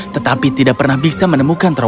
tetapi tidak pernah bisa menemukan